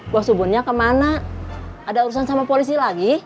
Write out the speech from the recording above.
bos bubunnya kemana ada urusan sama polisi lagi